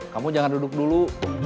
kamu jangan duduk dulu